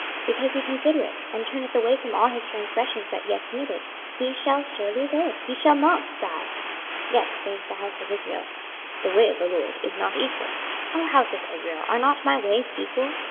26:018:028 Because he considereth, and turneth away from all his transgressions that he hath committed, he shall surely live, he shall not die. 26:018:029 Yet saith the house of Israel, The way of the LORD is not equal. O house of Israel, are not my ways equal?